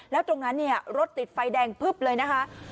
แล้วตรงนั้นเนี่ยรถติดไฟแดงพึบเลยนะคะ